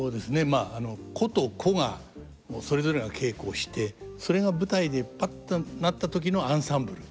まあ個と個がそれぞれが稽古をしてそれが舞台でパッとなった時のアンサンブル？